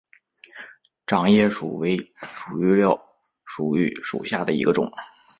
掌叶薯为薯蓣科薯蓣属下的一个种。